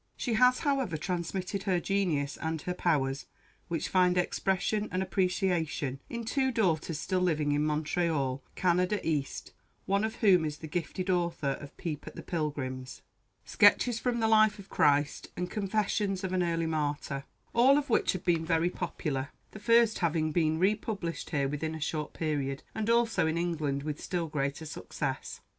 She has, however, transmitted her genius and her powers, which find expression and appreciation in two daughters still living in Montreal, Canada East, one of whom is the gifted author of "Peep at the Pilgrims," "Sketches from the Life of Christ," and "Confessions of an early Martyr," all of which have been very popular; the first having been republished here within a short period, and also in England with still greater success.